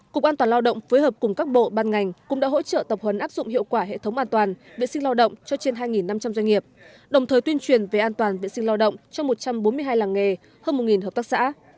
cục an toàn lao động phối hợp cùng các bộ ban ngành cũng đã hỗ trợ tập huấn áp dụng hiệu quả hệ thống an toàn vệ sinh lao động cho trên hai năm trăm linh doanh nghiệp đồng thời tuyên truyền về an toàn vệ sinh lao động cho một trăm bốn mươi hai làng nghề hơn một hợp tác xã